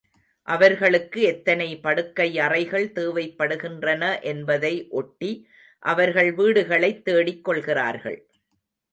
அவர்களுக்கு எத்தனை படுக்கை அறைகள் தேவைப்படுகின்றன என்பதை ஒட்டி அவர்கள் வீடுகளைத் தேடிக் கொள்கிறார்கள்.